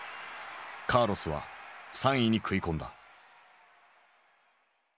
カーロスは３位に食い込んだ。